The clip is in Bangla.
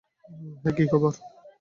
হেই, কি খবর?